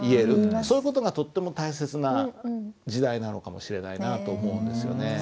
そういう事がとっても大切な時代なのかもしれないなぁと思うんですよね。